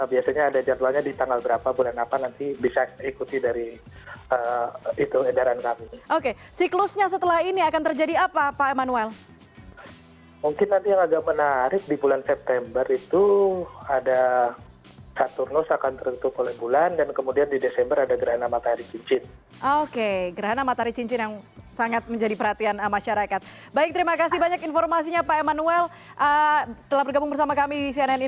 iya ada hujan meteor lain yang bisa biasanya ada jadwalnya di tanggal berapa bulan apa nanti bisa ikuti dari itu edaran kami